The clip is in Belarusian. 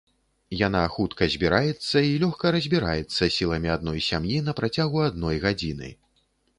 Яна хутка збіраецца і лёгка разбіраецца сіламі адной сям'і на працягу адной гадзіны.